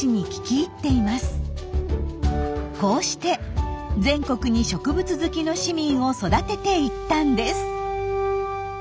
こうして全国に植物好きの市民を育てていったんです。